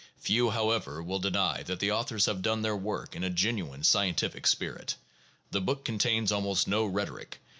Few, however, will deny that the authors have done their work in a genuine scientific spirit. The book contains almost no rhetoric.